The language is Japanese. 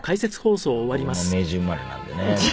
まあ僕も明治生まれなんでね。